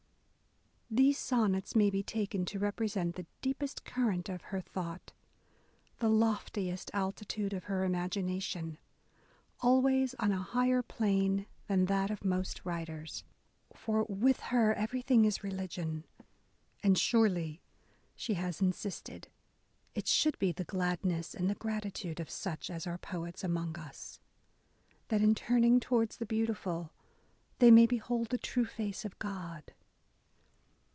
These Sonnets may be taken to represent the deepest current of her thought, the loftiest altitude of her imagination, — always on a higher plane than that of most writers. For with her everything is religion," —and surely," she has insisted, it should be the gladness and the gratitude of such as are poets among us, that in turning towards the beautiful, they may behold the true face of God."